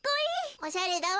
おしゃれだわべ。